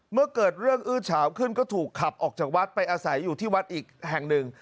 เมื่อเกิดเรื่องอื้อเฉาขึ้นก็ถูกขับออกจากวัดไปอาศัยอยู่ที่วัดอีกแห่งหนึ่ง